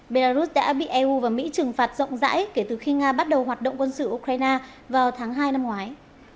belarus đã bị eu và mỹ trừng phạt rộng rãi kể từ khi nga bắt đầu hoạt động quân sự ukraine vào tháng hai năm ngoái